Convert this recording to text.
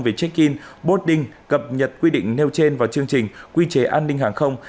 về check in boarding cập nhật quy định nêu trên vào chương trình quy chế an ninh hàng không